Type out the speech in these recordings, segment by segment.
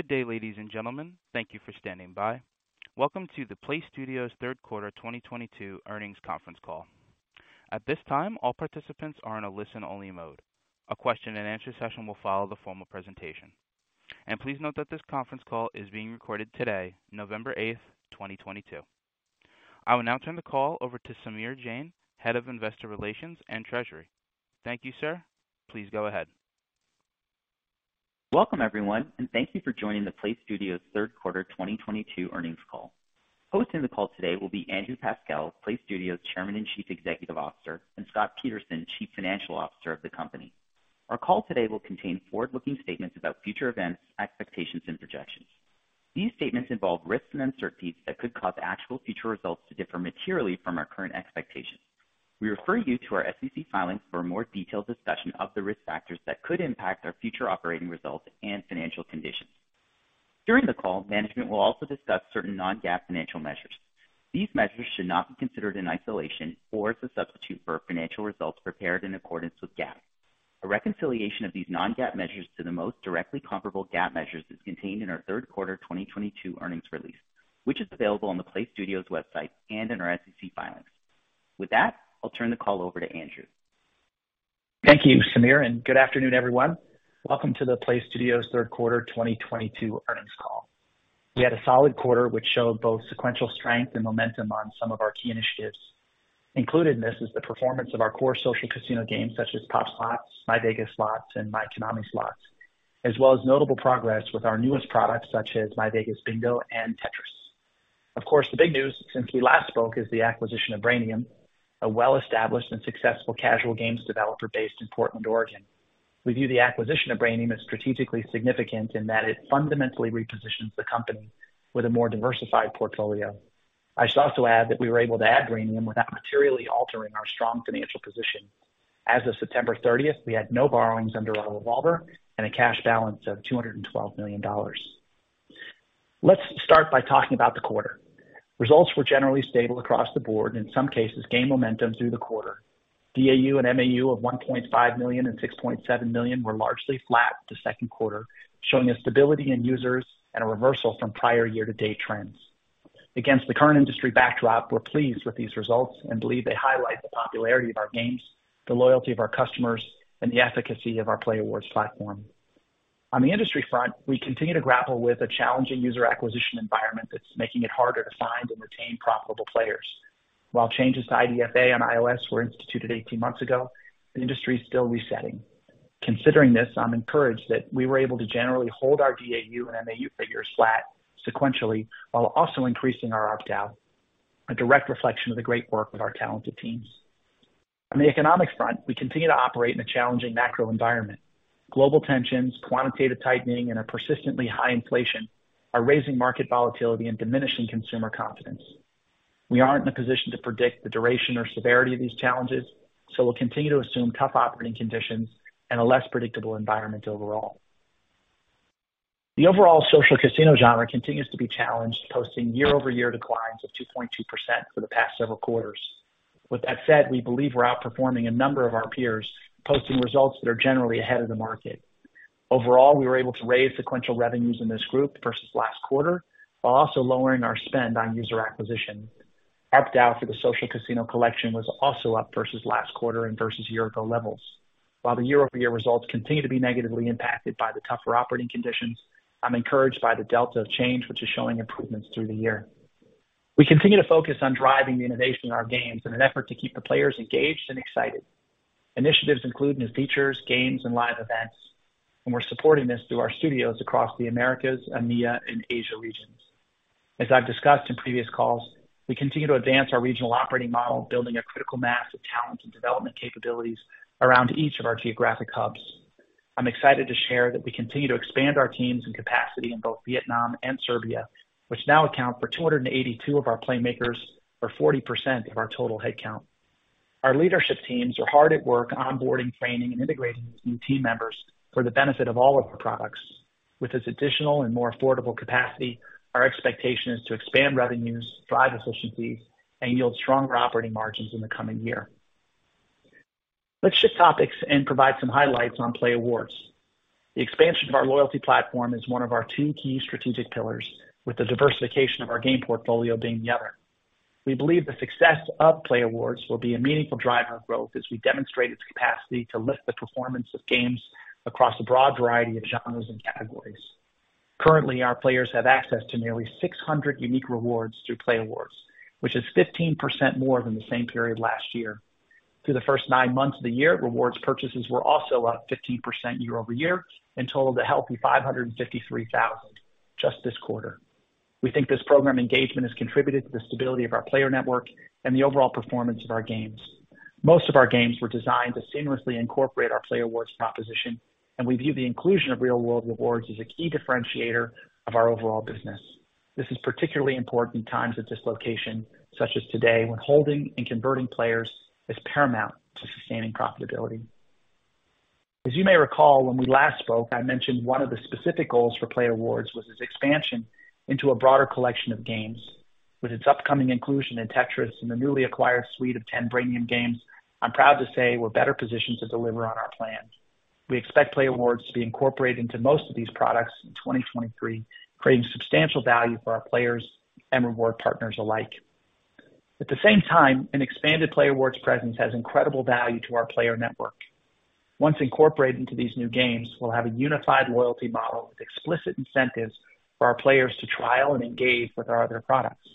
Good day, ladies and gentlemen. Thank you for standing by. Welcome to the PLAYSTUDIOS third quarter 2022 earnings conference call. At this time, all participants are in a listen-only mode. A question-and-answer session will follow the formal presentation. Please note that this conference call is being recorded today, November 8th, 2022. I will now turn the call over to Samir Jain, Head of Investor Relations and Treasury. Thank you, sir. Please go ahead. Welcome, everyone, and thank you for joining the PLAYSTUDIOS third quarter 2022 earnings call. Hosting the call today will be Andrew Pascal, PLAYSTUDIOS Chairman and Chief Executive Officer, and Scott Peterson, Chief Financial Officer of the company. Our call today will contain forward-looking statements about future events, expectations, and projections. These statements involve risks and uncertainties that could cause actual future results to differ materially from our current expectations. We refer you to our SEC filings for a more detailed discussion of the risk factors that could impact our future operating results and financial conditions. During the call, management will also discuss certain non-GAAP financial measures. These measures should not be considered in isolation or as a substitute for financial results prepared in accordance with GAAP. A reconciliation of these non-GAAP measures to the most directly comparable GAAP measures is contained in our third quarter 2022 earnings release, which is available on the PLAYSTUDIOS website and in our SEC filings. With that, I'll turn the call over to Andrew. Thank you, Samir, and good afternoon, everyone. Welcome to the PLAYSTUDIOS third quarter 2022 earnings call. We had a solid quarter which showed both sequential strength and momentum on some of our key initiatives. Included in this is the performance of our core social casino games, such as POP! Slots, myVEGAS Slots, and myKONAMI Slots, as well as notable progress with our newest products, such as myVEGAS Bingo and Tetris. Of course, the big news since we last spoke is the acquisition of Brainium, a well-established and successful casual games developer based in Portland, Oregon. We view the acquisition of Brainium as strategically significant in that it fundamentally repositions the company with a more diversified portfolio. I should also add that we were able to add Brainium without materially altering our strong financial position. As of September 30th, we had no borrowings under our revolver and a cash balance of $212 million. Let's start by talking about the quarter. Results were generally stable across the board and in some cases, gained momentum through the quarter. DAU and MAU of 1.5 million and 6.7 million were largely flat to second quarter, showing a stability in users and a reversal from prior year-to-date trends. Against the current industry backdrop, we're pleased with these results and believe they highlight the popularity of our games, the loyalty of our customers, and the efficacy of our playAWARDS platform. On the industry front, we continue to grapple with a challenging user acquisition environment that's making it harder to find and retain profitable players. While changes to IDFA and iOS were instituted 18 months ago, the industry is still resetting. Considering this, I'm encouraged that we were able to generally hold our DAU and MAU figures flat sequentially while also increasing our ARPDAU, a direct reflection of the great work of our talented teams. On the economic front, we continue to operate in a challenging macro environment. Global tensions, quantitative tightening, and a persistently high inflation are raising market volatility and diminishing consumer confidence. We aren't in a position to predict the duration or severity of these challenges, so we'll continue to assume tough operating conditions and a less predictable environment overall. The overall social casino genre continues to be challenged, posting year-over-year declines of 2.2% for the past several quarters. With that said, we believe we're outperforming a number of our peers, posting results that are generally ahead of the market. Overall, we were able to raise sequential revenues in this group versus last quarter while also lowering our spend on user acquisition. ARPDAU for the social casino collection was also up versus last quarter and versus year-ago levels. While the year-over-year results continue to be negatively impacted by the tougher operating conditions, I'm encouraged by the delta of change, which is showing improvements through the year. We continue to focus on driving the innovation in our games in an effort to keep the players engaged and excited. Initiatives include new features, games, and live events, and we're supporting this through our studios across the Americas, EMEA, and Asia regions. As I've discussed in previous calls, we continue to advance our regional operating model, building a critical mass of talent and development capabilities around each of our geographic hubs. I'm excited to share that we continue to expand our teams and capacity in both Vietnam and Serbia, which now account for 282 of our playMAKERS or 40% of our total headcount. Our leadership teams are hard at work onboarding, training, and integrating these new team members for the benefit of all of our products. With this additional and more affordable capacity, our expectation is to expand revenues, drive efficiencies, and yield stronger operating margins in the coming year. Let's shift topics and provide some highlights on playAWARDS. The expansion of our loyalty platform is one of our two key strategic pillars, with the diversification of our game portfolio being the other. We believe the success of playAWARDS will be a meaningful driver of growth as we demonstrate its capacity to lift the performance of games across a broad variety of genres and categories. Currently, our players have access to nearly 600 unique rewards through playAWARDS, which is 15% more than the same period last year. Through the first nine months of the year, rewards purchases were also up 15% year-over-year and totaled a healthy 553,000 just this quarter. We think this program engagement has contributed to the stability of our player network and the overall performance of our games. Most of our games were designed to seamlessly incorporate our playAWARDS proposition, and we view the inclusion of real-world rewards as a key differentiator of our overall business. This is particularly important in times of dislocation, such as today, when holding and converting players is paramount to sustaining profitability. As you may recall, when we last spoke, I mentioned one of the specific goals for playAWARDS was its expansion into a broader collection of games. With its upcoming inclusion in Tetris and the newly acquired suite of 10 Brainium games, I'm proud to say we're better positioned to deliver on our plans. We expect playAWARDS to be incorporated into most of these products in 2023, creating substantial value for our players and reward partners alike. At the same time, an expanded playAWARDS presence has incredible value to our player network. Once incorporated into these new games, we'll have a unified loyalty model with explicit incentives for our players to trial and engage with our other products.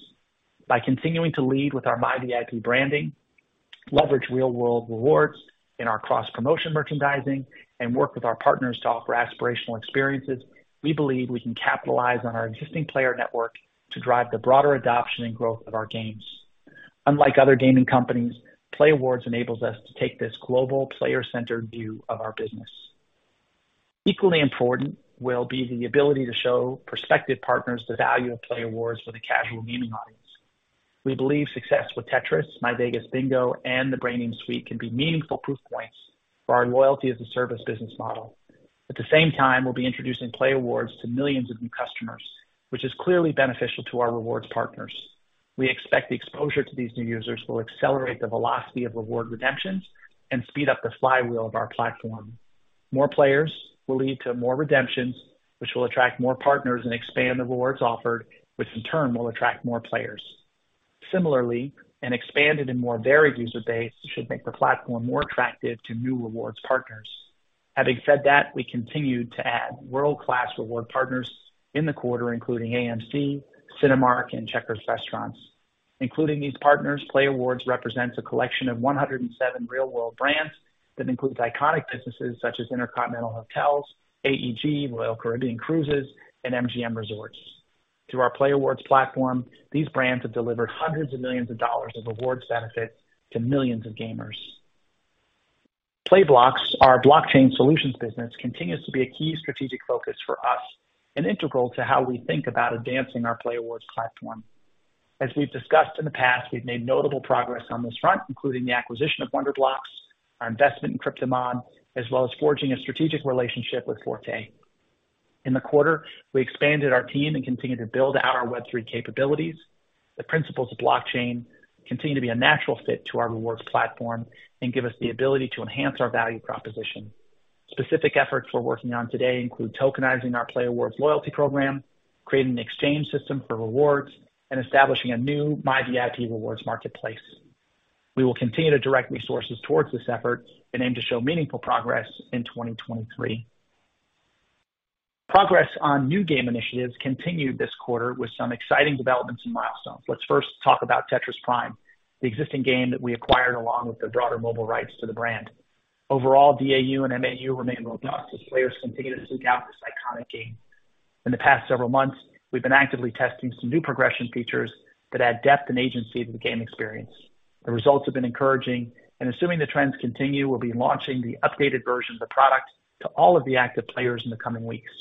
By continuing to lead with our myVIP branding, leverage real-world rewards in our cross-promotion merchandising, and work with our partners to offer aspirational experiences, we believe we can capitalize on our existing player network to drive the broader adoption and growth of our games. Unlike other gaming companies, playAWARDS enables us to take this global player-centered view of our business. Equally important will be the ability to show prospective partners the value of playAWARDS for the casual gaming audience. We believe success with Tetris, myVEGAS Bingo, and the Brainium Suite can be meaningful proof points for our loyalty-as-a-service business model. At the same time, we'll be introducing playAWARDS to millions of new customers, which is clearly beneficial to our rewards partners. We expect the exposure to these new users will accelerate the velocity of reward redemptions and speed up the flywheel of our platform. More players will lead to more redemptions, which will attract more partners and expand the rewards offered, which in turn will attract more players. Similarly, an expanded and more varied user base should make the platform more attractive to new rewards partners. Having said that, we continued to add world-class reward partners in the quarter, including AMC, Cinemark, and Checkers. Including these partners, playAWARDS represents a collection of 107 real-world brands that includes iconic businesses such as InterContinental Hotels, AEG, Royal Caribbean Cruises, and MGM Resorts. Through our playAWARDS platform, these brands have delivered $hundreds of millions of awards benefits to millions of gamers. playBLOCKS, our blockchain solutions business, continues to be a key strategic focus for us and integral to how we think about advancing our playAWARDS platform. As we've discussed in the past, we've made notable progress on this front, including the acquisition of WonderBlocks, our investment in Kryptomon, as well as forging a strategic relationship with Forte. In the quarter, we expanded our team and continued to build out our Web3 capabilities. The principles of blockchain continue to be a natural fit to our rewards platform and give us the ability to enhance our value proposition. Specific efforts we're working on today include tokenizing our playAWARDS loyalty program, creating an exchange system for rewards, and establishing a new myVIP rewards marketplace. We will continue to direct resources towards this effort and aim to show meaningful progress in 2023. Progress on new game initiatives continued this quarter with some exciting developments and milestones. Let's first talk about Tetris Prime, the existing game that we acquired along with the broader mobile rights to the brand. Overall, DAU and MAU remain robust as players continue to seek out this iconic game. In the past several months, we've been actively testing some new progression features that add depth and agency to the game experience. The results have been encouraging, and assuming the trends continue, we'll be launching the updated version of the product to all of the active players in the coming weeks.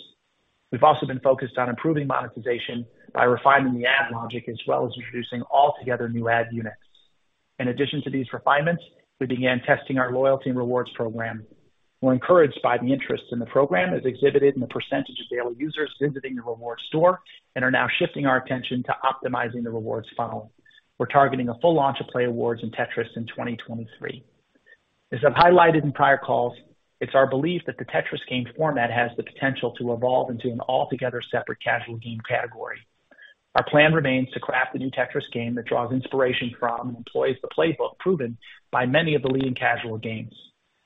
We've also been focused on improving monetization by refining the ad logic as well as introducing altogether new ad units. In addition to these refinements, we began testing our loyalty and rewards program. We're encouraged by the interest in the program as exhibited in the percentage of daily users visiting the rewards store and are now shifting our attention to optimizing the rewards funnel. We're targeting a full launch of playAWARDS in Tetris in 2023. As I've highlighted in prior calls, it's our belief that the Tetris game format has the potential to evolve into an altogether separate casual game category. Our plan remains to craft a new Tetris game that draws inspiration from and employs the playbook proven by many of the leading casual games.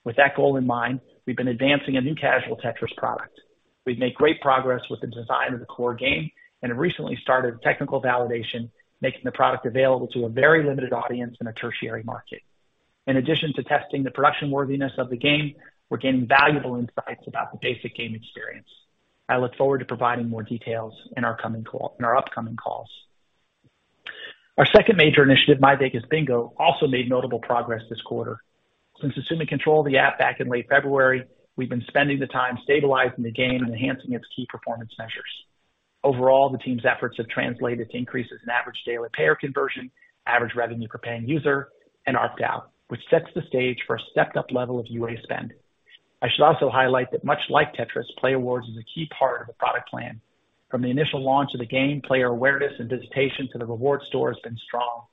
With that goal in mind, we've been advancing a new casual Tetris product. We've made great progress with the design of the core game and have recently started technical validation, making the product available to a very limited audience in a tertiary market. In addition to testing the production worthiness of the game, we're gaining valuable insights about the basic game experience. I look forward to providing more details in our upcoming calls. Our second major initiative, myVEGAS Bingo, also made notable progress this quarter. Since assuming control of the app back in late February, we've been spending the time stabilizing the game and enhancing its key performance measures. Overall, the team's efforts have translated to increases in average daily payer conversion, average revenue per paying user, and ARPDAU, which sets the stage for a stepped-up level of UA spend. I should also highlight that much like Tetris, playAWARDS is a key part of the product plan. From the initial launch of the game, player awareness and visitation to the rewards store has been strong.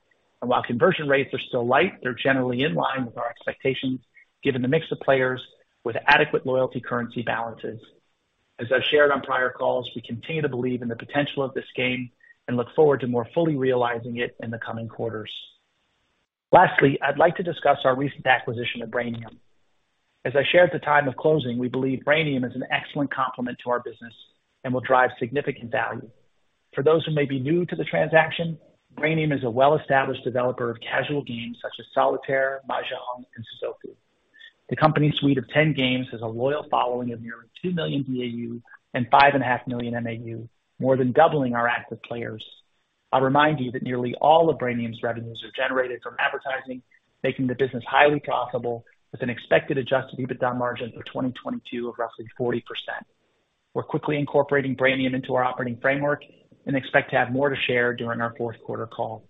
While conversion rates are still light, they're generally in line with our expectations given the mix of players with adequate loyalty currency balances. As I've shared on prior calls, we continue to believe in the potential of this game and look forward to more fully realizing it in the coming quarters. Lastly, I'd like to discuss our recent acquisition of Brainium. As I shared at the time of closing, we believe Brainium is an excellent complement to our business and will drive significant value. For those who may be new to the transaction, Brainium is a well-established developer of casual games such as Solitaire, Mahjong, and Sudoku. The company's suite of 10 games has a loyal following of nearly 2 million DAU and 5.5 million MAU, more than doubling our active players. I'll remind you that nearly all of Brainium's revenues are generated from advertising, making the business highly profitable with an expected adjusted EBITDA margin for 2022 of roughly 40%. We're quickly incorporating Brainium into our operating framework and expect to have more to share during our fourth quarter call.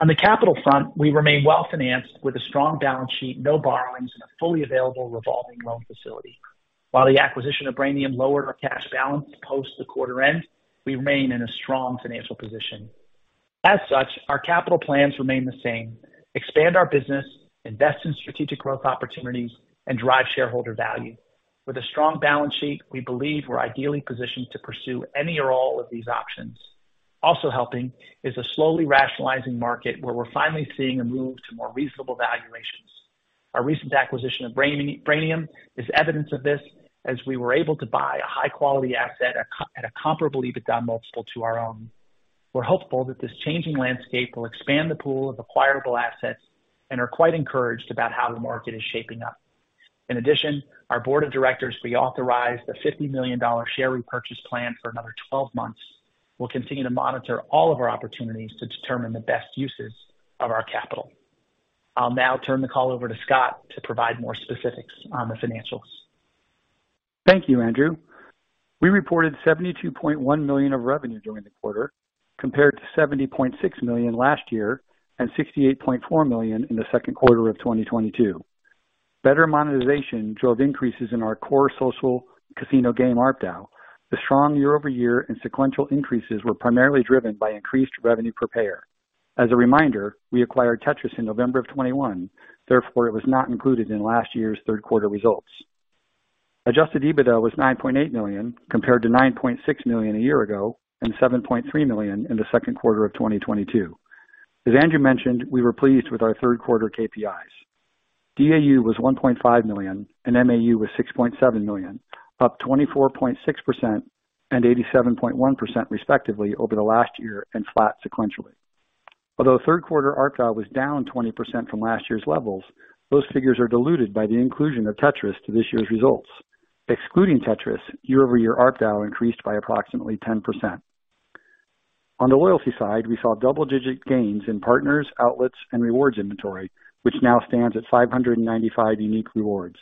On the capital front, we remain well-financed with a strong balance sheet, no borrowings, and a fully available revolving loan facility. While the acquisition of Brainium lowered our cash balance post the quarter end, we remain in a strong financial position. As such, our capital plans remain the same. Expand our business, invest in strategic growth opportunities, and drive shareholder value. With a strong balance sheet, we believe we're ideally positioned to pursue any or all of these options. Also helping is a slowly rationalizing market where we're finally seeing a move to more reasonable valuations. Our recent acquisition of Brainium is evidence of this as we were able to buy a high-quality asset at a comparable EBITDA multiple to our own. We're hopeful that this changing landscape will expand the pool of acquirable assets and are quite encouraged about how the market is shaping up. In addition, our board of directors reauthorized a $50 million share repurchase plan for another 12 months. We'll continue to monitor all of our opportunities to determine the best uses of our capital. I'll now turn the call over to Scott to provide more specifics on the financials. Thank you, Andrew. We reported $72.1 million of revenue during the quarter compared to $70.6 million last year and $68.4 million in the second quarter of 2022. Better monetization drove increases in our core social casino game ARPDAU. The strong year-over-year and sequential increases were primarily driven by increased revenue per payer. As a reminder, we acquired Tetris in November of 2021. Therefore, it was not included in last year's third quarter results. Adjusted EBITDA was $9.8 million compared to $9.6 million a year ago and $7.3 million in the second quarter of 2022. As Andrew mentioned, we were pleased with our third quarter KPIs. DAU was 1.5 million and MAU was 6.7 million, up 24.6% and 87.1% respectively over the last year and flat sequentially. Although third quarter ARPDAU was down 20% from last year's levels, those figures are diluted by the inclusion of Tetris to this year's results. Excluding Tetris, year-over-year ARPDAU increased by approximately 10%. On the loyalty side, we saw double-digit gains in partners, outlets, and rewards inventory, which now stands at 595 unique rewards.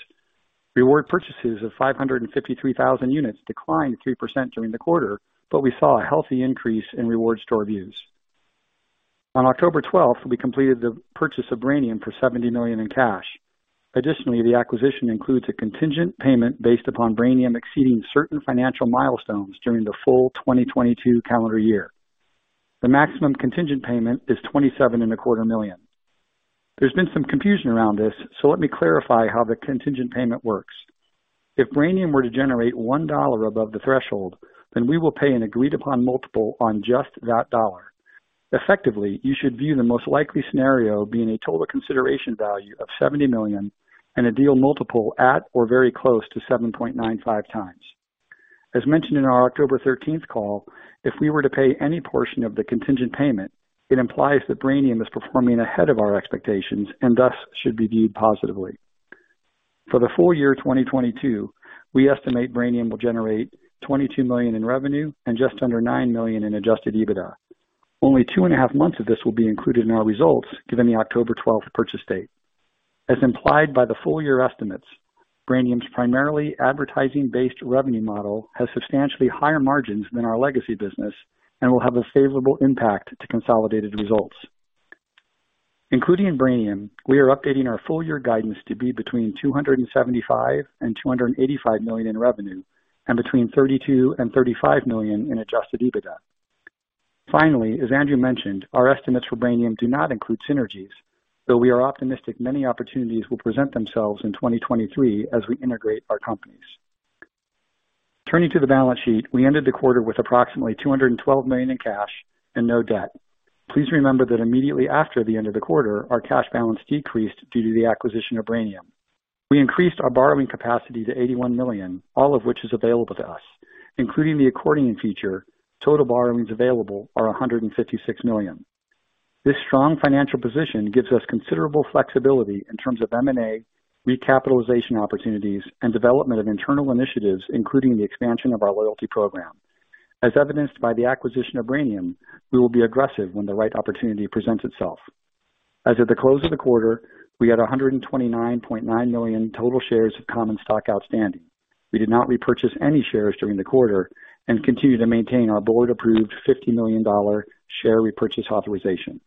Reward purchases of 553,000 units declined 3% during the quarter, but we saw a healthy increase in reward store views. On October 12, we completed the purchase of Brainium for $70 million in cash. Additionally, the acquisition includes a contingent payment based upon Brainium exceeding certain financial milestones during the full 2022 calendar year. The maximum contingent payment is $27.25 million. There's been some confusion around this, so let me clarify how the contingent payment works. If Brainium were to generate $1 above the threshold, then we will pay an agreed upon multiple on just that dollar. Effectively, you should view the most likely scenario being a total consideration value of $70 million and a deal multiple at or very close to 7.95x. As mentioned in our October 13th call, if we were to pay any portion of the contingent payment, it implies that Brainium is performing ahead of our expectations and thus should be viewed positively. For the full year 2022, we estimate Brainium will generate $22 million in revenue and just under $9 million in adjusted EBITDA. Only 2.5 months of this will be included in our results given the October 12th purchase date. As implied by the full year estimates, Brainium's primarily advertising-based revenue model has substantially higher margins than our legacy business and will have a favorable impact to consolidated results. Including Brainium, we are updating our full year guidance to be between $275 million and $285 million in revenue and between $32 million and $35 million in adjusted EBITDA. Finally, as Andrew mentioned, our estimates for Brainium do not include synergies, though we are optimistic many opportunities will present themselves in 2023 as we integrate our companies. Turning to the balance sheet, we ended the quarter with approximately $212 million in cash and no debt. Please remember that immediately after the end of the quarter, our cash balance decreased due to the acquisition of Brainium. We increased our borrowing capacity to $81 million, all of which is available to us. Including the accordion feature, total borrowings available are $156 million. This strong financial position gives us considerable flexibility in terms of M&A, recapitalization opportunities, and development of internal initiatives, including the expansion of our loyalty program. As evidenced by the acquisition of Brainium, we will be aggressive when the right opportunity presents itself. As of the close of the quarter, we had 129.9 million total shares of common stock outstanding. We did not repurchase any shares during the quarter and continue to maintain our board-approved $50 million share repurchase authorization.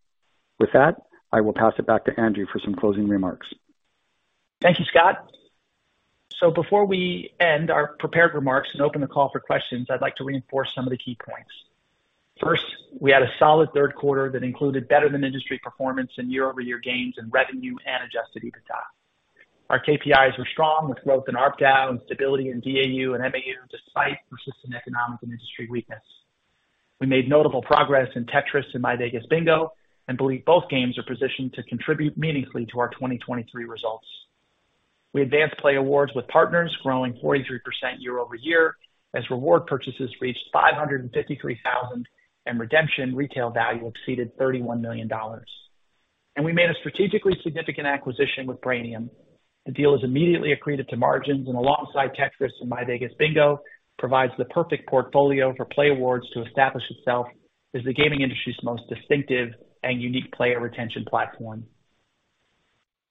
With that, I will pass it back to Andrew for some closing remarks. Thank you, Scott. Before we end our prepared remarks and open the call for questions, I'd like to reinforce some of the key points. First, we had a solid third quarter that included better than industry performance and year-over-year gains in revenue and adjusted EBITDA. Our KPIs were strong with growth in ARPDAU and stability in DAU and MAU despite persistent economic and industry weakness. We made notable progress in Tetris and myVEGAS Bingo and believe both games are positioned to contribute meaningfully to our 2023 results. We advanced playAWARDS with partners growing 43% year-over-year as reward purchases reached 553,000 and redemption retail value exceeded $31 million. We made a strategically significant acquisition with Brainium. The deal is immediately accreted to margins, and alongside Tetris and myVEGAS Bingo provides the perfect portfolio for playAWARDS to establish itself as the gaming industry's most distinctive and unique player retention platform.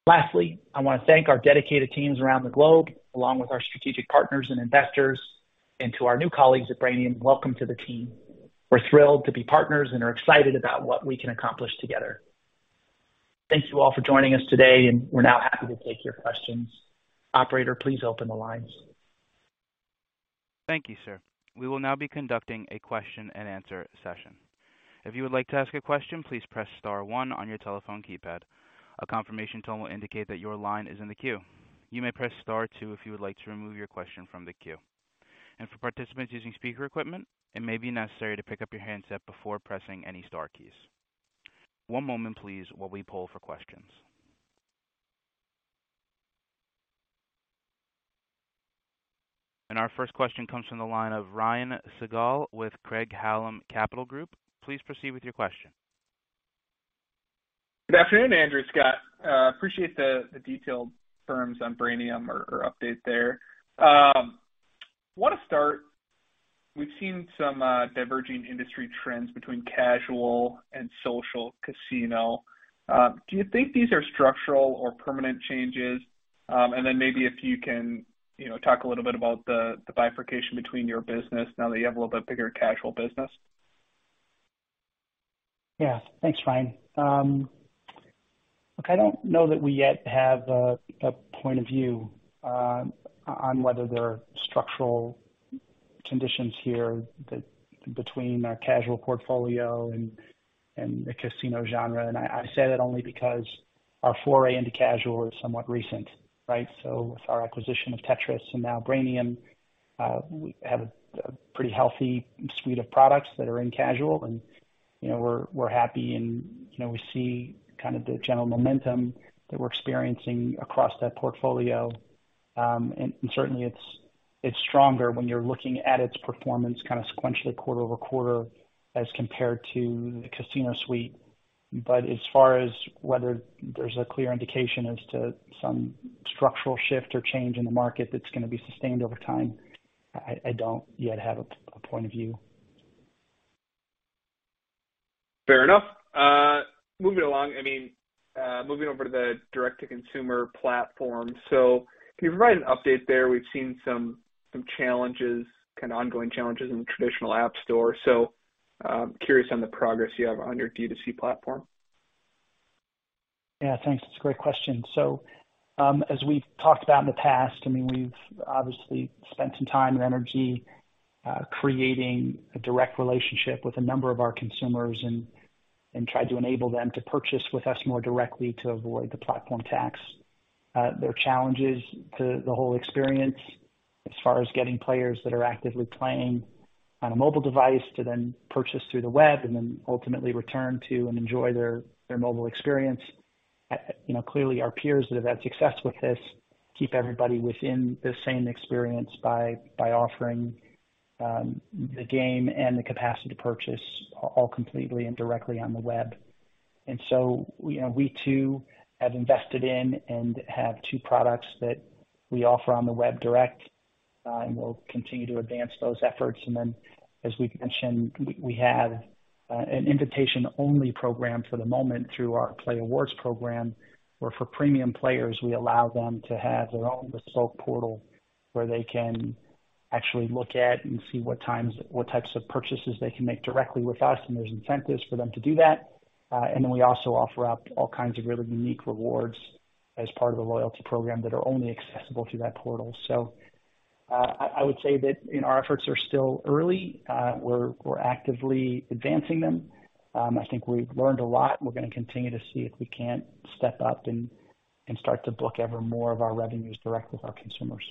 Lastly, I want to thank our dedicated teams around the globe, along with our strategic partners and investors, and to our new colleagues at Brainium, welcome to the team. We're thrilled to be partners and are excited about what we can accomplish together. Thank you all for joining us today, and we're now happy to take your questions. Operator, please open the lines. Thank you, sir. We will now be conducting a question-and-answer session. If you would like to ask a question, please press star one on your telephone keypad. A confirmation tone will indicate that your line is in the queue. You may press star two if you would like to remove your question from the queue. For participants using speaker equipment, it may be necessary to pick up your handset before pressing any star keys. One moment please, while we poll for questions. Our first question comes from the line of Ryan Sigdahl with Craig-Hallum Capital Group. Please proceed with your question. Good afternoon, Andrew, Scott. Appreciate the detailed terms on Brainium or update there. Want to start. We've seen some diverging industry trends between casual and social casino. Do you think these are structural or permanent changes? Then maybe if you can, you know, talk a little bit about the bifurcation between your business now that you have a little bit bigger casual business. Yeah. Thanks, Ryan. Look, I don't know that we yet have a point of view on whether there are structural conditions here that between our casual portfolio and the casino genre. I say that only because our foray into casual is somewhat recent, right? With our acquisition of Tetris and now Brainium, we have a pretty healthy suite of products that are in casual and, you know, we're happy and, you know, we see kind of the general momentum that we're experiencing across that portfolio. Certainly it's stronger when you're looking at its performance kind of sequentially quarter-over-quarter as compared to the casino suite. As far as whether there's a clear indication as to some structural shift or change in the market that's gonna be sustained over time, I don't yet have a point of view. Fair enough. Moving along. I mean, moving over to the direct-to-consumer platform. Can you provide an update there? We've seen some challenges, kind of ongoing challenges in the traditional app store. Curious on the progress you have on your D2C platform. Yeah, thanks. That's a great question. As we've talked about in the past, I mean, we've obviously spent some time and energy creating a direct relationship with a number of our consumers and tried to enable them to purchase with us more directly to avoid the platform tax. There are challenges to the whole experience as far as getting players that are actively playing on a mobile device to then purchase through the web and then ultimately return to and enjoy their mobile experience. You know, clearly our peers that have had success with this keep everybody within the same experience by offering the game and the capacity to purchase all completely and directly on the web. You know, we too have invested in and have two products that we offer on the web direct. We'll continue to advance those efforts. As we've mentioned, we have an invitation-only program for the moment through our playAWARDS program, where for premium players, we allow them to have their own bespoke portal where they can actually look at and see what types of purchases they can make directly with us, and there's incentives for them to do that. We also offer up all kinds of really unique rewards as part of the loyalty program that are only accessible through that portal. I would say that our efforts are still early. We're actively advancing them. I think we've learned a lot, and we're gonna continue to see if we can't step up and start to book ever more of our revenues direct with our consumers.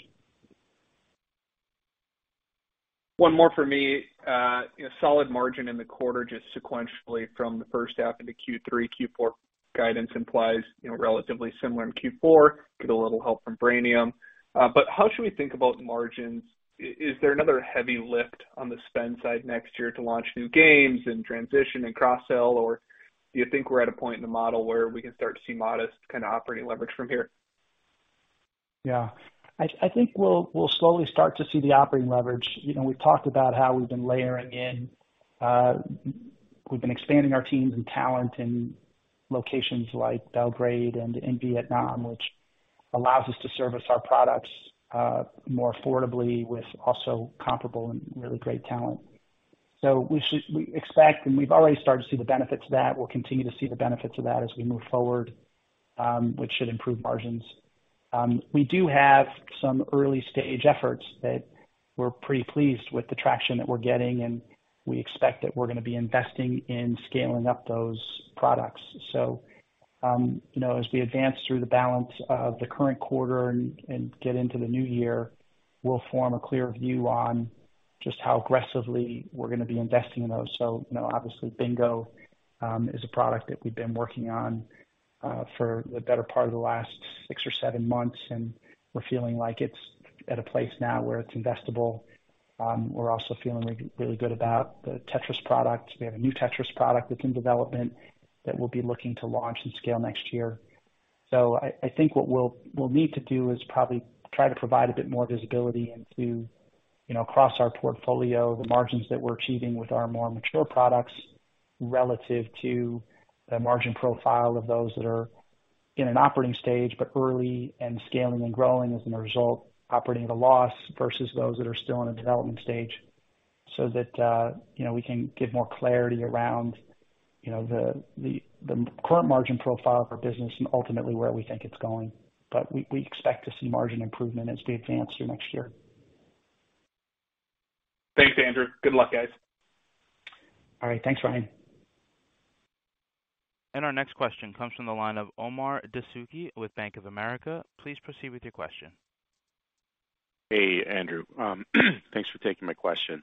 One more for me. You know, solid margin in the quarter, just sequentially from the first half into Q3. Q4 guidance implies, you know, relatively similar in Q4 with a little help from Brainium. How should we think about margins? Is there another heavy lift on the spend side next year to launch new games and transition and cross-sell? Or do you think we're at a point in the model where we can start to see modest kind of operating leverage from here? Yeah. I think we'll slowly start to see the operating leverage. You know, we've talked about how we've been layering in, we've been expanding our teams and talent in locations like Belgrade and in Vietnam, which allows us to service our products more affordably with also comparable and really great talent. We expect, and we've already started to see the benefits of that. We'll continue to see the benefits of that as we move forward, which should improve margins. We do have some early-stage efforts that we're pretty pleased with the traction that we're getting, and we expect that we're gonna be investing in scaling up those products. You know, as we advance through the balance of the current quarter and get into the new year, we'll form a clearer view on just how aggressively we're gonna be investing in those. You know, obviously Bingo is a product that we've been working on for the better part of the last six or seven months, and we're feeling like it's at a place now where it's investable. We're also feeling really good about the Tetris product. We have a new Tetris product that's in development that we'll be looking to launch and scale next year. I think what we'll need to do is probably try to provide a bit more visibility into, you know, across our portfolio, the margins that we're achieving with our more mature products relative to the margin profile of those that are in an operating stage, but early and scaling and growing as a result, operating at a loss versus those that are still in a development stage, so that, you know, we can give more clarity around, you know, the current margin profile of our business and ultimately where we think it's going. We expect to see margin improvement as we advance through next year. Thanks, Andrew. Good luck, guys. All right. Thanks, Ryan. Our next question comes from the line of Omar Dessouky with Bank of America. Please proceed with your question. Hey, Andrew. Thanks for taking my question.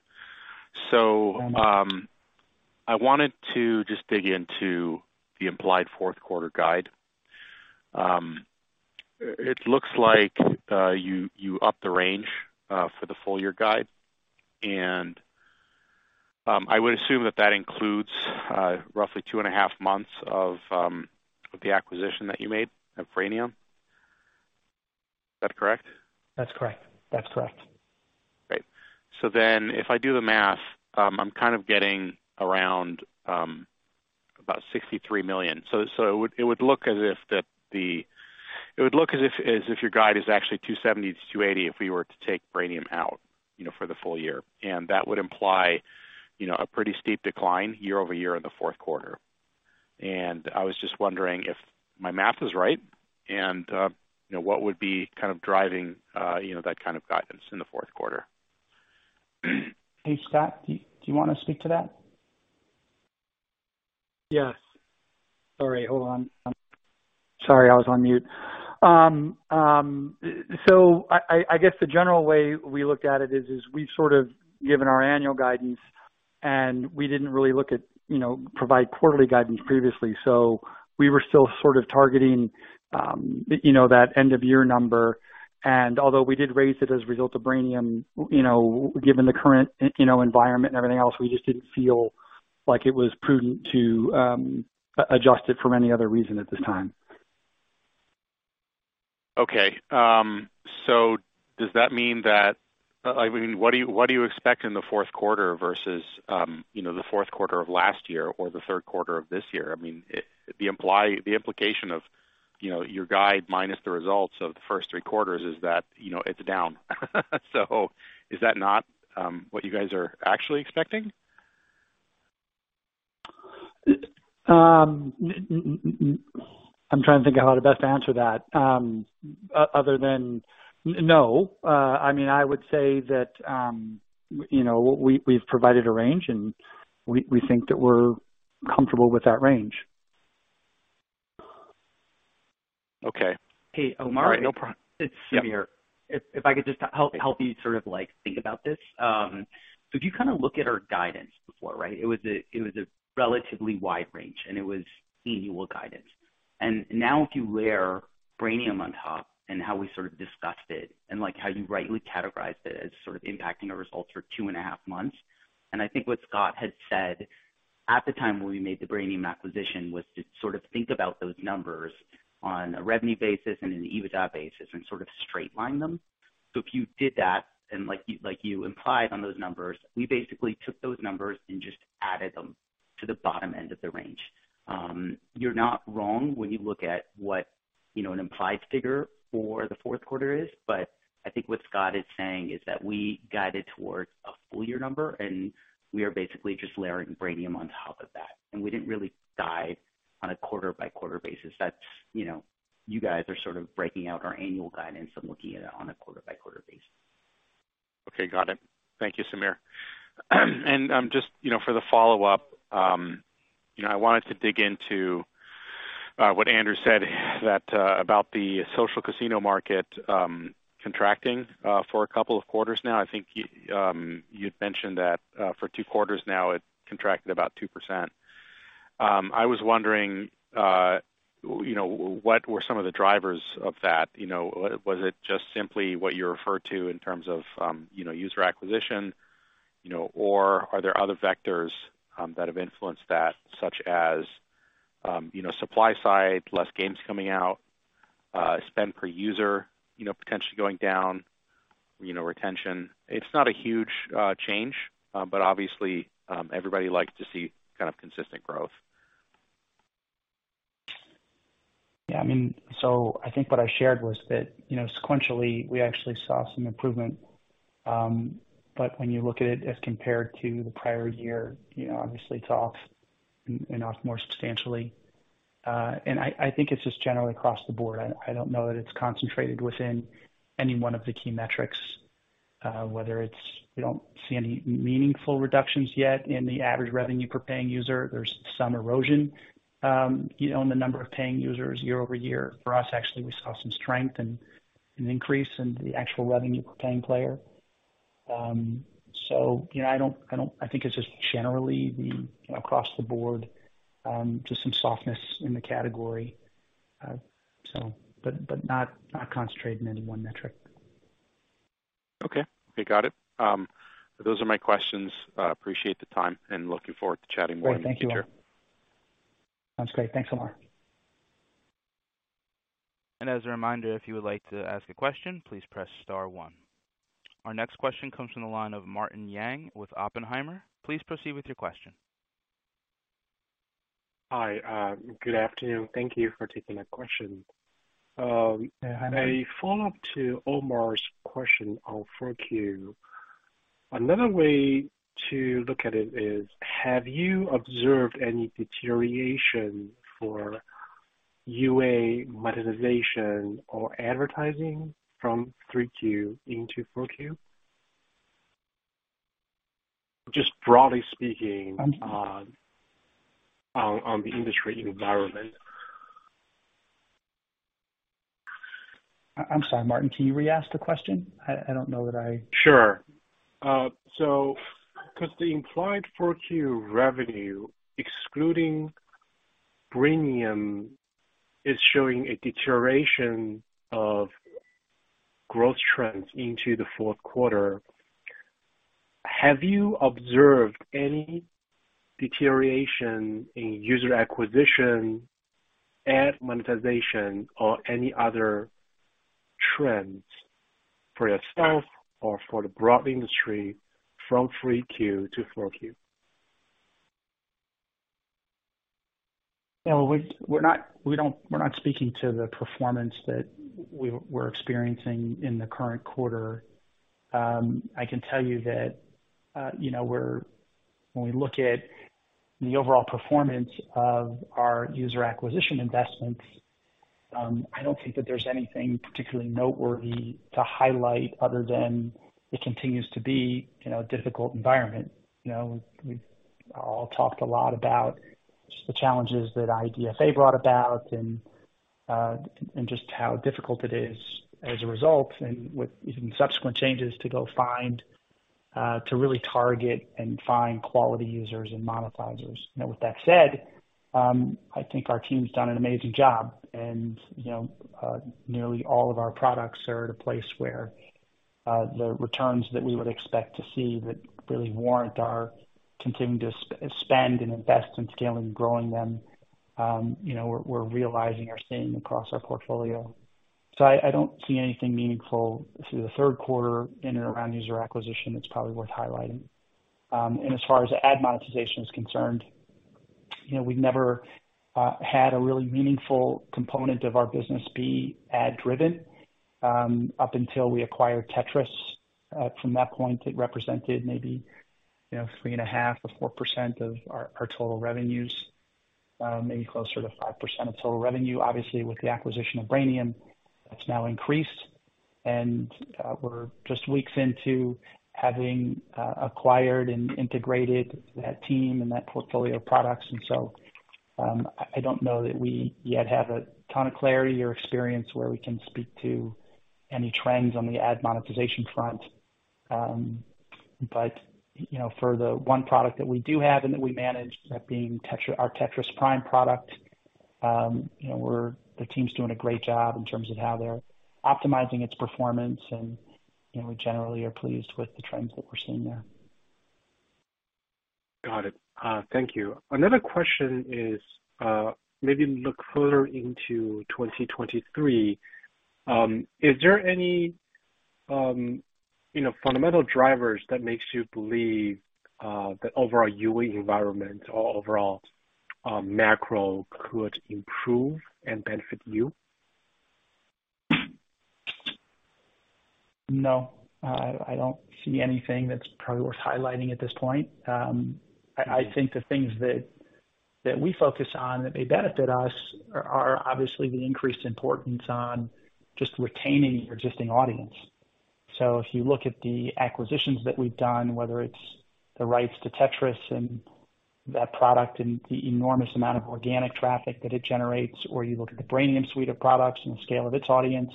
I wanted to just dig into the implied fourth quarter guide. It looks like you upped the range for the full year guide. I would assume that that includes roughly 2.5 months of the acquisition that you made of Brainium. Is that correct? That's correct. That's correct. Great. If I do the math, I'm kind of getting around about $63 million. It would look as if your guide is actually $270 million-$280 million if we were to take Brainium out, you know, for the full year. That would imply, you know, a pretty steep decline year-over-year in the fourth quarter. I was just wondering if my math is right and, you know, what would be kind of driving, you know, that kind of guidance in the fourth quarter. Hey, Scott, do you wanna speak to that? Yes. Sorry, hold on. Sorry, I was on mute. I guess the general way we looked at it is we've sort of given our annual guidance, and we didn't really look at, you know, provide quarterly guidance previously. We were still sort of targeting, you know, that end of year number. Although we did raise it as a result of Brainium, you know, given the current, you know, environment and everything else, we just didn't feel like it was prudent to adjust it for any other reason at this time. Okay. Does that mean that I mean, what do you expect in the fourth quarter versus, you know, the fourth quarter of last year or the third quarter of this year? I mean, the implication of, you know, your guide minus the results of the first three quarters is that, you know, it's down. Is that not what you guys are actually expecting? I'm trying to think of how to best answer that other than no. I mean, I would say that, you know, we've provided a range and we think that we're comfortable with that range. Okay. Hey, Omar. All right. It's Samir. Yeah. If I could just help you sort of, like, think about this. If you kind of look at our guidance before, right? It was a relatively wide range, and it was annual guidance. Now if you layer Brainium on top and how we sort of discussed it and, like, how you rightly categorized it as sort of impacting our results for 2.5 months, and I think what Scott had said at the time when we made the Brainium acquisition was to sort of think about those numbers on a revenue basis and an EBITDA basis and sort of straight line them. If you did that and like you implied on those numbers, we basically took those numbers and just added them to the bottom end of the range. You're not wrong when you look at what, you know, an implied figure for the fourth quarter is, but I think what Scott is saying is that we guided towards a full year number and we are basically just layering Brainium on top of that. We didn't really guide on a quarter by quarter basis. That's, you know, you guys are sort of breaking out our annual guidance and looking at it on a quarter by quarter basis. Okay, got it. Thank you, Samir. Just, you know, for the follow-up, you know, I wanted to dig into what Andrew said about the social casino market contracting for a couple of quarters now. I think you'd mentioned that for two quarters now it contracted about 2%. I was wondering, you know, what were some of the drivers of that? You know, was it just simply what you referred to in terms of, you know, user acquisition, you know, or are there other vectors that have influenced that, such as, you know, supply side, less games coming out, spend per user, you know, potentially going down, you know, retention? It's not a huge change, but obviously, everybody likes to see kind of consistent growth. Yeah, I mean, so I think what I shared was that, you know, sequentially we actually saw some improvement. When you look at it as compared to the prior year, you know, obviously it's off more substantially. I think it's just generally across the board. I don't know that it's concentrated within any one of the key metrics. We don't see any meaningful reductions yet in the average revenue per paying user. There's some erosion, you know, in the number of paying users year-over-year. For us, actually, we saw some strength and an increase in the actual revenue per paying player. You know, I think it's just generally we, you know, across the board, just some softness in the category. Not concentrated in any one metric. Okay. Okay, got it. Those are my questions. Appreciate the time and looking forward to chatting more in the future. Great. Thank you, Omar. Sounds great. Thanks, Omar. As a reminder, if you would like to ask a question, please press star one. Our next question comes from the line of Martin Yang with Oppenheimer. Please proceed with your question. Hi, good afternoon. Thank you for taking my question. Yeah. A follow-up to Omar's question on 4Q. Another way to look at it is, have you observed any deterioration for UA monetization or advertising from 3Q into 4Q? Just broadly speaking, on the industry environment. I'm sorry, Martin, can you re-ask the question? I don't know that I- Sure. Because the implied 4Q revenue, excluding Brainium, is showing a deterioration of growth trends into the fourth quarter, have you observed any deterioration in user acquisition, ad monetization, or any other trends for yourself or for the broad industry from 3Q to 4Q? Yeah. We're not speaking to the performance that we're experiencing in the current quarter. I can tell you that, you know, when we look at the overall performance of our user acquisition investments, I don't think that there's anything particularly noteworthy to highlight other than it continues to be, you know, a difficult environment. You know, we've all talked a lot about the challenges that IDFA brought about and just how difficult it is as a result, and with even subsequent changes to really target and find quality users and monetizers. Now, with that said, I think our team's done an amazing job and, you know, nearly all of our products are at a place where the returns that we would expect to see that really warrant our continuing to spend and invest in scaling and growing them, you know, we're realizing are staying across our portfolio. I don't see anything meaningful through the third quarter in and around user acquisition that's probably worth highlighting. As far as ad monetization is concerned, you know, we've never had a really meaningful component of our business be ad driven, up until we acquired Tetris. From that point, it represented maybe, you know, 3.5% or 4% of our total revenues, maybe closer to 5% of total revenue. Obviously, with the acquisition of Brainium, that's now increased. We're just weeks into having acquired and integrated that team and that portfolio of products. I don't know that we yet have a ton of clarity or experience where we can speak to any trends on the ad monetization front. You know, for the one product that we do have and that we manage, that being our Tetris Prime product, you know, the team's doing a great job in terms of how they're optimizing its performance, and, you know, we generally are pleased with the trends that we're seeing there. Got it. Thank you. Another question is, maybe look further into 2023. Is there any, you know, fundamental drivers that makes you believe, the overall UA environment or overall, macro could improve and benefit you? No, I don't see anything that's probably worth highlighting at this point. I think the things that we focus on that may benefit us are obviously the increased importance on just retaining your existing audience. If you look at the acquisitions that we've done, whether it's the rights to Tetris and that product and the enormous amount of organic traffic that it generates, or you look at the Brainium suite of products and the scale of its audience,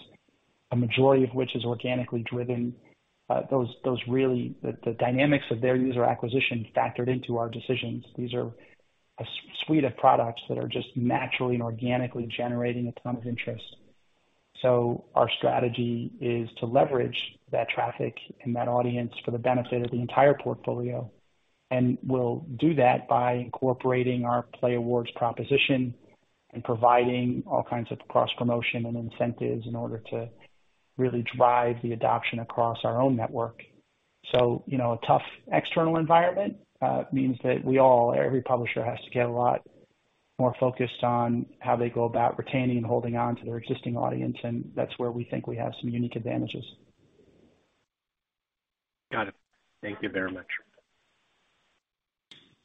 a majority of which is organically driven, those really the dynamics of their user acquisition factored into our decisions. These are a suite of products that are just naturally and organically generating a ton of interest. our strategy is to leverage that traffic and that audience for the benefit of the entire portfolio, and we'll do that by incorporating our playAWARDS proposition and providing all kinds of cross-promotion and incentives in order to really drive the adoption across our own network. you know, a tough external environment means that we all, every publisher has to get a lot more focused on how they go about retaining and holding on to their existing audience, and that's where we think we have some unique advantages. Got it. Thank you very much.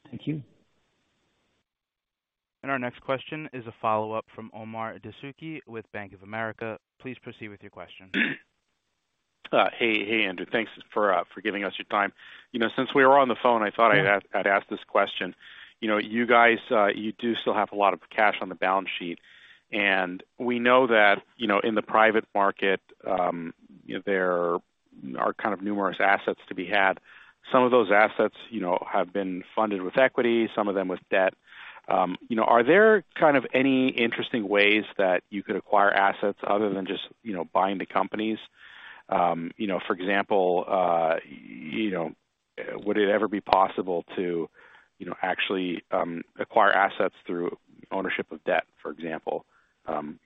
Thank you. Our next question is a follow-up from Omar Dessouky with Bank of America. Please proceed with your question. Hey, Andrew. Thanks for giving us your time. You know, since we were on the phone, I thought I'd ask this question. You know, you guys do still have a lot of cash on the balance sheet, and we know that, you know, in the private market, there are kind of numerous assets to be had. Some of those assets, you know, have been funded with equity, some of them with debt. You know, are there kind of any interesting ways that you could acquire assets other than just, you know, buying the companies? For example, you know, would it ever be possible to, you know, actually acquire assets through ownership of debt, for example?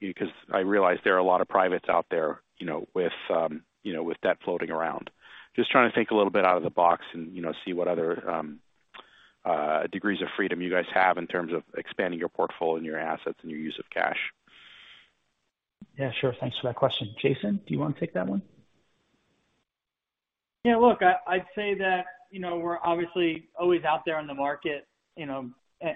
Because I realize there are a lot of privates out there, you know, with you know, with debt floating around. Just trying to think a little bit out of the box and, you know, see what other degrees of freedom you guys have in terms of expanding your portfolio and your assets and your use of cash. Yeah, sure. Thanks for that question. Jason, do you wanna take that one? Yeah, look, I'd say that, you know, we're obviously always out there in the market, you know,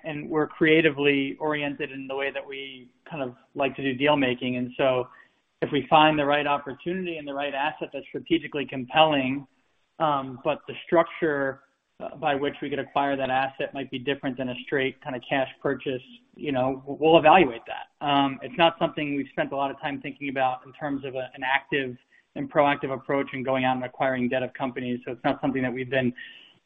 and we're creatively oriented in the way that we kind of like to do deal making. If we find the right opportunity and the right asset that's strategically compelling, but the structure by which we could acquire that asset might be different than a straight kinda cash purchase, you know, we'll evaluate that. It's not something we've spent a lot of time thinking about in terms of an active and proactive approach in going out and acquiring debt of companies. It's not something that we've been,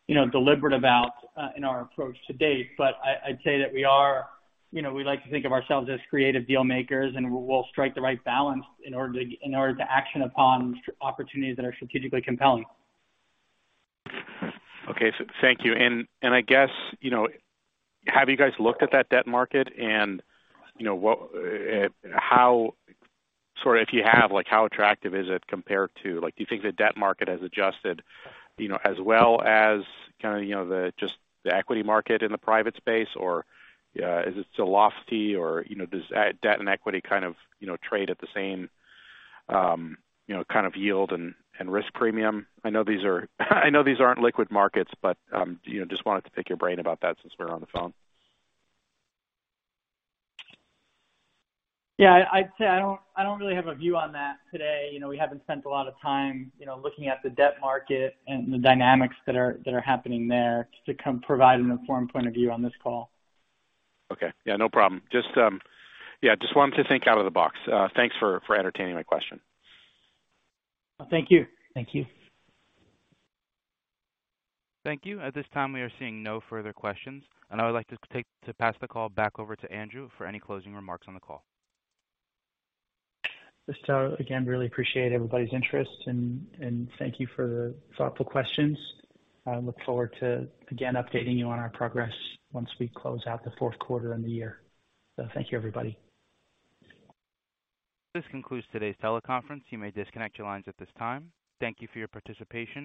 you know, deliberate about in our approach to date. I'd say that we are, you know, we like to think of ourselves as creative deal makers, and we'll strike the right balance in order to act upon opportunities that are strategically compelling. Thank you. I guess, you know, have you guys looked at that debt market? Sort of if you have, like, how attractive is it compared to, like, do you think the debt market has adjusted, you know, as well as kinda, you know, the just the equity market in the private space? Is it still lofty? You know, does debt and equity kind of, you know, trade at the same kind of yield and risk premium? I know these aren't liquid markets, but you know, just wanted to pick your brain about that since we're on the phone. Yeah. I'd say I don't really have a view on that today. You know, we haven't spent a lot of time, you know, looking at the debt market and the dynamics that are happening there to come provide an informed point of view on this call. Okay. Yeah, no problem. Just, yeah, just wanted to think out of the box. Thanks for entertaining my question. Thank you. Thank you. Thank you. At this time, we are seeing no further questions, and I would like to pass the call back over to Andrew for any closing remarks on the call. Just, again, really appreciate everybody's interest and thank you for the thoughtful questions. I look forward to, again, updating you on our progress once we close out the fourth quarter and the year. Thank you, everybody. This concludes today's teleconference. You may disconnect your lines at this time. Thank you for your participation.